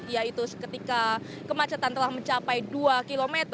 yaitu ketika kemacetan telah mencapai dua km